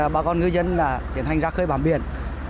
bà con ngư dân tiến hành ra khơi bám biển